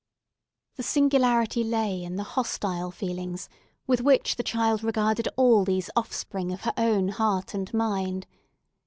The singularity lay in the hostile feelings with which the child regarded all these offsprings of her own heart and mind.